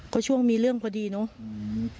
ก็ช่วงมีเรื่องพอดีเนาะ